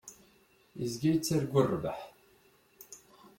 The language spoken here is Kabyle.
Yezga yettargu rrbeḥ.